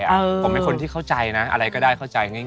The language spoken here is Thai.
ผมเป็นคนที่เข้าใจนะอะไรก็ได้เข้าใจง่าย